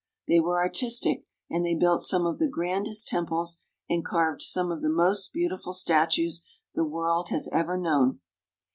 They were artistic, and they built some of the grandest temples and carved some of the most beautiful statues the world has ever known.